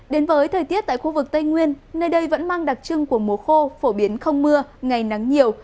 đến với thời tiết tại khu vực tây nguyên nơi đây vẫn mang đặc trưng của mùa khô phổ biến không mưa ngày nắng nhiều